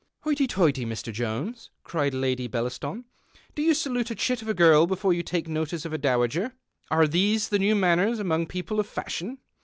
" lloity, toity 1 Mr. 25 PA STIC HP: AM) PR EJ I'D ICE Jones," cried Lady Bellaston ;" do you salute a chit of a rr'irl before you take notice of a dowager ? Arc these the new manners among people of fashion